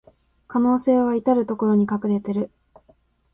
可能性はいたるところに隠れてる